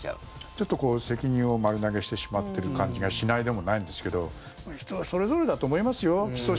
ちょっと責任を丸投げしてしまっている感じがしないでもないんですけど人それぞれだと思いますよ。